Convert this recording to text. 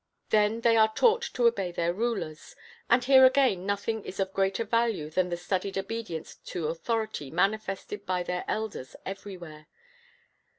Then they are taught to obey their rulers, and here again nothing is of greater value than the studied obedience to authority manifested by their elders everywhere.